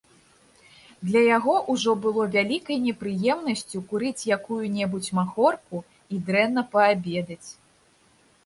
Для яго ўжо было вялікай непрыемнасцю курыць якую-небудзь махорку і дрэнна паабедаць.